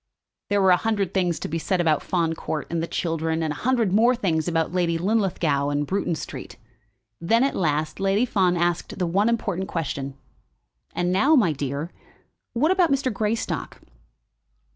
There were a hundred things to be said about Fawn Court and the children, and a hundred more things about Lady Linlithgow and Bruton Street. Then, at last, Lady Fawn asked the one important question. "And now, my dear, what about Mr. Greystock?"